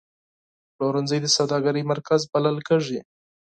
پلورنځی د سوداګرۍ مرکز بلل کېږي.